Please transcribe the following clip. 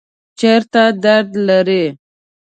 چیرته درد لرئ؟